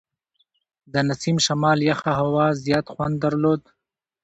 د نسیم شمال یخه هوا زیات خوند درلود.